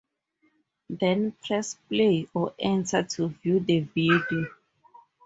Then press 'Play' or 'Enter' to view the video.